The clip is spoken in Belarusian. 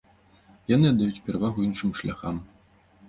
Яны аддаюць перавагу іншым шляхам.